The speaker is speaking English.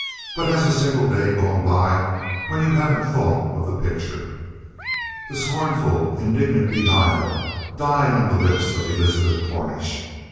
But has a single day gone when you haven't thought of the picture?" The scornful, indignant denial died on the lips of Elizabeth Cornish.